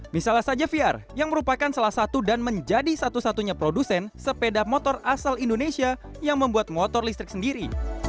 misalnya saja vr yang merupakan salah satu dan menjadi satu satunya produsen sepeda motor asal indonesia yang membuat motor listrik sendiri